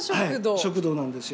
はい食堂なんですよ。